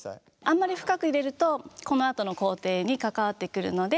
あんまり深く入れるとこのあとの工程に関わってくるので。